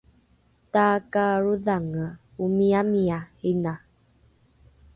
takaarodhange omiamia ’ina